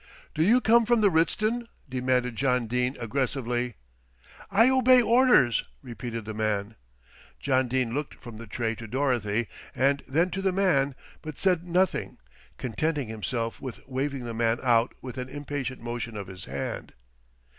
"Do you come from the Ritzton?" demanded John Dene aggressively. "I obey orders," repeated the man. John Dene looked from the tray to Dorothy, and then to the man; but said nothing, contenting himself with waving the man out with an impatient motion of his hand.